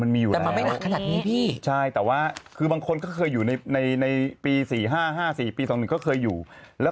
มันมีอยู่แล้ว